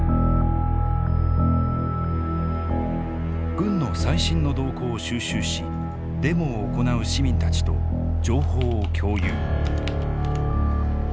軍の最新の動向を収集しデモを行う市民たちと情報を共有。